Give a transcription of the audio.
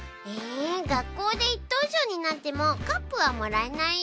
がっこうでいっとうしょうになってもカップはもらえないよ。